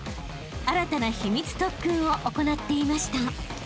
［新たな秘密特訓を行っていました］